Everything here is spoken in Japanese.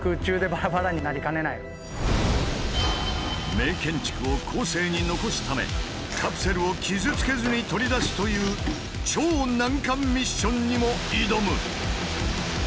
名建築を後世に残すためカプセルを傷つけずに取り出すという超難関ミッションにも挑む！